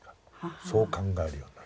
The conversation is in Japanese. そう考えるようになった。